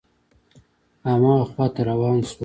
هماغه خواته روان شوم.